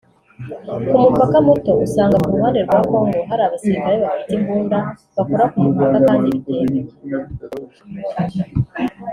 Ku mupaka muto usanga ku ruhande rwa Congo hari abasirikare bafite imbunda bakora ku mupaka kandi bitemewe